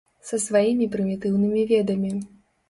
Са сваімі прымітыўнымі ведамі.